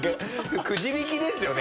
くじ引きですよね